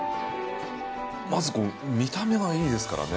まず見た目がいいですからね。